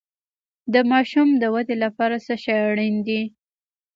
د ماشوم د ودې لپاره څه شی اړین دی؟